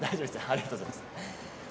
ありがとうございます。